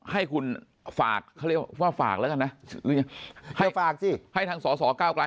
ให้คุณฝากเขาเรียกว่าฝากแล้วกันนะฝากสิให้ทางสสเก้ากลาย